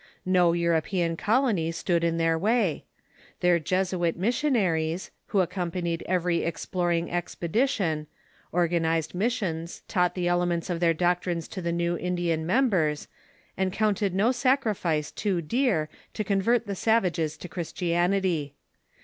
No European colony stood in their way. Their Jes The Jesuits ^^'^^ missionaries, who accompanied every exploring among the expedition, organized missions, taught the elements urons q£ their doctrines to the new Indian members, and counted no sacrifice too dear to convert the savages to Chris tianity.